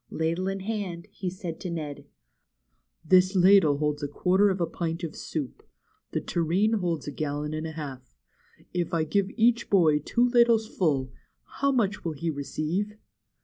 Ladle in hand, he said to Ned: This ladle holds a quarter of a pint of soup. The tureen holds a gallon and a half. If I give each boy two ladles full, how much will he receive?'